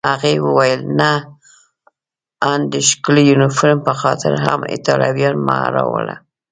هغې وویل: نه، آن د ښکلي یونیفورم په خاطر هم ایټالویان مه راوله.